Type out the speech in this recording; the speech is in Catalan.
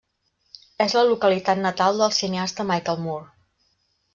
És la localitat natal del cineasta Michael Moore.